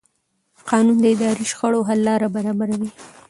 قانون د اداري شخړو د حل لاره برابروي.